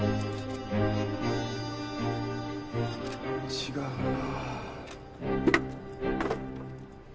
違うな。